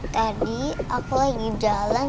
tadi aku lagi jalan